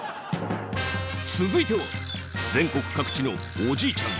続いては全国各地のおじいちゃん